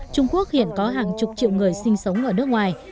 trung quốc hiện có hàng chục triệu người sinh sống ở nước ngoài